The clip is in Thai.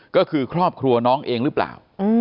ก็คือครอบครัวน้องเองหรือเปล่า